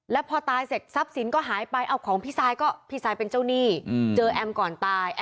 แล้วพอตายเสร็จทรัพย์สินก็หายไปเอาของพี่ซายก็พี่ซายเป็นเจ้าหนี้เจอแอมก่อนตาย